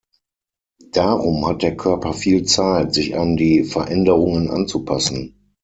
Darum hat der Körper viel Zeit, sich an die Veränderungen anzupassen.